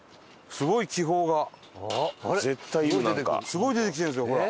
すごい出てきてるんですよほら。